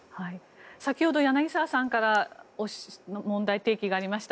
先ほど柳澤さんから問題提起がありました。